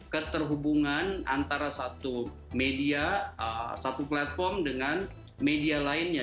keterhubungan antara satu media satu platform dengan media lainnya